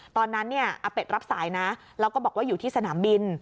ตอนนั้นเนี่ยอาเป็ดรับสายนะแล้วก็บอกว่าอยู่ที่สนามบิน